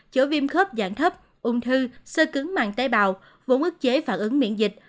chữa viêm khớp dạng thấp ung thư sơ cứng màng tế bào vùng ức chế phản ứng miễn dịch